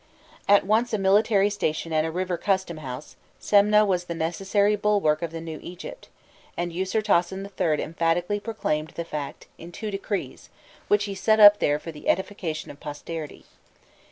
At once a military station and a river custom house, Semneh was the necessary bulwark of the new Egypt, and Usirtasen III. emphatically proclaimed the fact, in two decrees, which he set up there for the edification of posterity.